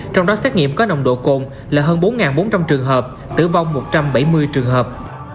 trong đó xét nghiệm có nồng độ cồn là hơn bốn bốn trăm linh trường hợp tử vong một trăm bảy mươi trường hợp